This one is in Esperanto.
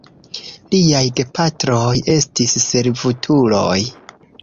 Liaj gepatroj estis servutuloj.